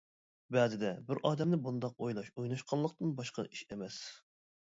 بەزىدە بىر ئادەمنى بۇنداق ئويلاش ئويناشقانلىقتىن باشقا ئىش ئەمەس.